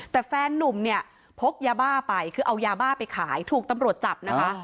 แต่แฟนนุ่มเนี่ยพกยาบ้าไปคือเอายาบ้าไปขายถูกตำรวจจับนะคะ